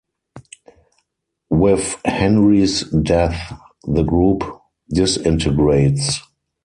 With Henry's death, the group disintegrates.